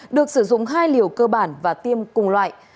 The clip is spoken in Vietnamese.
được sử dụng hai liều cơ bản và tiêm cùng loại